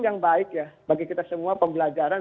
yang baik ya bagi kita semua pembelajaran